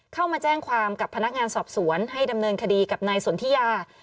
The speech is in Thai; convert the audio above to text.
เข้ามาแจ้งความกับพนักงานสอบสวนให้ดำเนินคดีกับนายสนทิยา